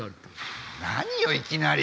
何よいきなり。